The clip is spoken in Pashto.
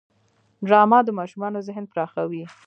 ډرامه د ماشومانو ذهن پراخوي